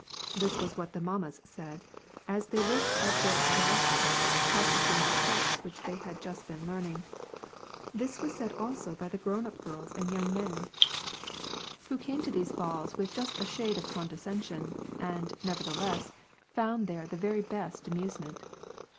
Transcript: This was what the mammas said, as they looked at their adoleseenies, practis ing the steps which they had just been learning ; this was said also by the grown up girls and young men, who came to thew WAR AND PEACE. 49 lulls with just a shade of condescension, and> nevertheless, found there the very best amusement.